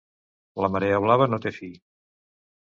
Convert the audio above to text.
La marea blava no té fi.